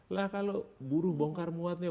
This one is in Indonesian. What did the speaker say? lah kalau buruh bongkar muatnya